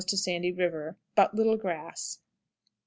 Sandy River. But little grass.